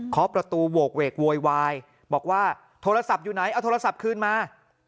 ขอประตูโหกเวกโวยวายบอกว่าโทรศัพท์อยู่ไหนเอาโทรศัพท์คืนมา